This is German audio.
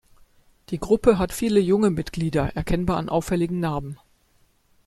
Die Gruppe hat viele junge Mitglieder, erkennbar an auffälligen Narben.